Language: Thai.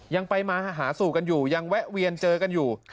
ยังไปมาหาสู่กันอยู่ยังแวะเวียนเจอกันอยู่